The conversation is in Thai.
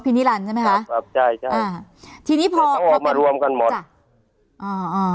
พินิลันใช่ไหมคะครับครับใช่อ่าทีนี้พอพอมารวมกันหมดอ่าอ่า